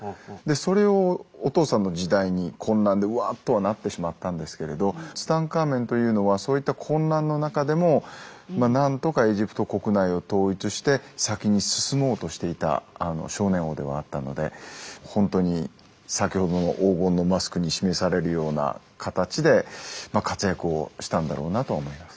それをお父さんの時代に混乱でうわっとはなってしまったんですけれどツタンカーメンというのはそういった混乱の中でも何とかエジプト国内を統一して先に進もうとしていた少年王ではあったのでほんとに先ほどの黄金のマスクに示されるような形で活躍をしたんだろうなと思います。